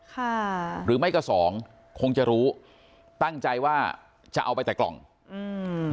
ค่ะหรือไม่ก็สองคงจะรู้ตั้งใจว่าจะเอาไปแต่กล่องอืม